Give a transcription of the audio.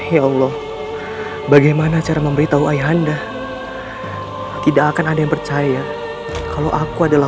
ya allah bagaimana cara memberitahu ayah anda tidak akan ada yang percaya kalau aku adalah